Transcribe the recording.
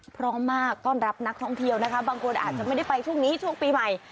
พร้อมมากต้อนรับนักท่องเที่ยวนะคะบางคนอาจจะไม่ได้ไปช่วงนี้ช่วงปีใหม่